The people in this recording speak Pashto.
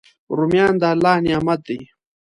رومیان د الله نعمت دی